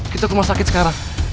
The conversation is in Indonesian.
kita ke rumah sakit sekarang